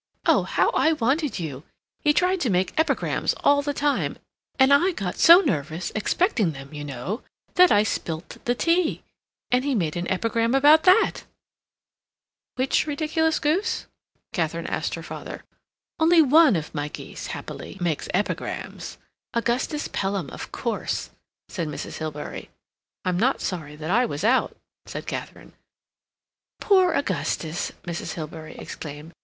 Oh, how I wanted you! He tried to make epigrams all the time, and I got so nervous, expecting them, you know, that I spilt the tea—and he made an epigram about that!" "Which ridiculous goose?" Katharine asked her father. "Only one of my geese, happily, makes epigrams—Augustus Pelham, of course," said Mrs. Hilbery. "I'm not sorry that I was out," said Katharine. "Poor Augustus!" Mrs. Hilbery exclaimed.